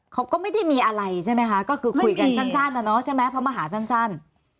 เขาก็ไม่ได้มีอะไรใช่ไหมคะก็คือคุยกันสั้นนะเนาะใช่ไหมเพราะมาหาสั้น